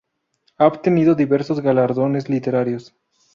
Ha obtenido diversos galardones literarios.